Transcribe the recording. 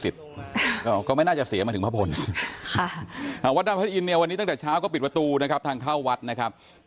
ทางเนื้อหน้าพระธิอินไทยตั้งแต่เช้าก็ปิดประตูทางเข้าแล้ว